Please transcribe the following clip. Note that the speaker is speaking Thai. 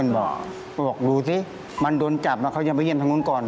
บอกดูสิมันโดนจับมันเข้าเยี่ยมไปเยี่ยมทางนู้นก่อน